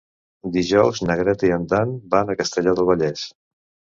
Dijous na Greta i en Dan van a Castellar del Vallès.